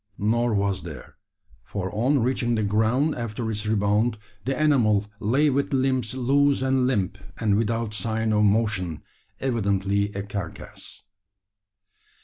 Nor was there; for on reaching the ground after its rebound, the animal lay with limbs loose and limp, and without sign of motion evidently a carcass.